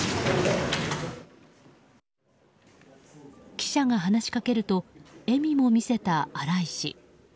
記者が話しかけると笑みも見せた荒井氏。